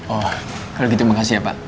oh kalau gitu makasih ya pak